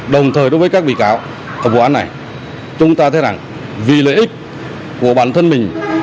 đồng thời đối với các bị cáo ở vụ án này chúng ta thấy rằng vì lợi ích của bản thân mình